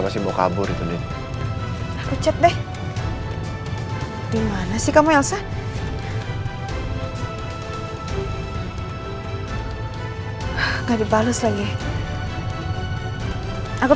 aduh apinya makin gede